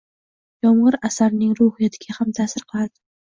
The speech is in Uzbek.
Yomg‘ir asarning ruhiyatiga ham ta’sir qiladi